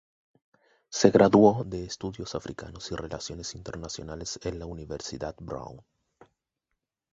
Se graduó de Estudios Africanos y Relaciones Internacionales en la Universidad Brown.